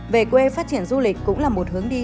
về quê phát triển du lịch cũng là một hướng đi